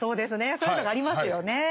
そういうのがありますよね。